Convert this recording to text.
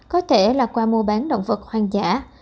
có thể là qua mua bán động vật hoang dã